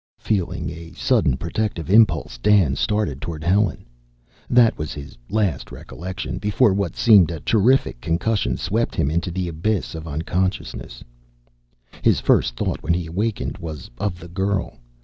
Feeling a sudden protective impulse, Dan started toward Helen. That was his last recollection, before what seemed a terrific concussion swept him into the abyss of unconsciousness.... His first thought, when he awakened, was of the girl.